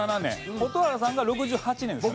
蛍原さんが６８年ですね？